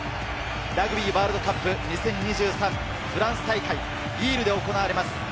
ラグビーワールドカップ２０２３、フランス大会、リールで行われます。